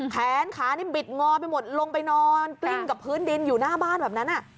แขนขานี่บิดงอไปหมดลงไปนอนกลิ้งกับพื้นดินอยู่หน้าบ้านแบบนั้น